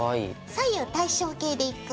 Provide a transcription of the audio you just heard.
左右対称系でいく？